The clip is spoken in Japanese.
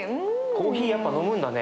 コーヒーやっぱ飲むんだね。